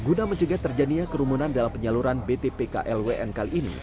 guna menjaga terjadinya kerumunan dalam penyaluran btpk lwn kali ini